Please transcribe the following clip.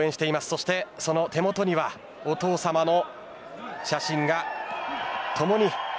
そしてその手元には、お父さまの写真がともに。